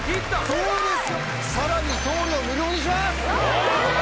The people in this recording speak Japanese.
そうですよさらに送料無料にします！